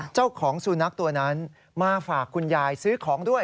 เจ้าของสุนัขตัวนั้นมาฝากคุณยายซื้อของด้วย